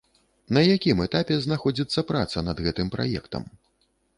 На якім этапе знаходзіцца праца над гэтым праектам?